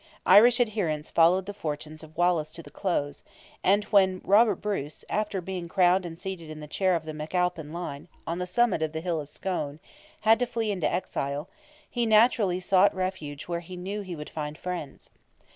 Irish adherents followed the fortunes of Wallace to the close; and when Robert Bruce, after being crowned and seated in the chair of the McAlpin line, on the summit of the hill of Scone, had to flee into exile, he naturally sought refuge where he knew he would find friends.